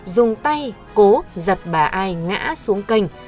dùng tay cố giật bà ai ngã xuống kênh